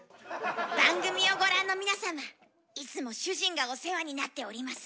「番組をご覧の皆様いつも主人がお世話になっております。